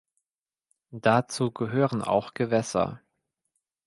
Dazu gehören auch Gewässer.